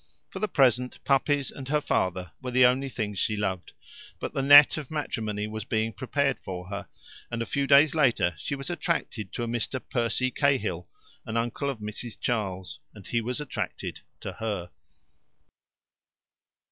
For the present, puppies and her father were the only things she loved, but the net of matrimony was being prepared for her, and a few days later she was attracted to a Mr. Percy Cahill, an uncle of Mrs. Charles, and he was attracted to her.